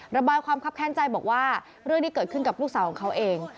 ระบายความคับแค้นใจบอกว่าเรื่องที่เกิดขึ้นกับลูกสาวของเขาเอง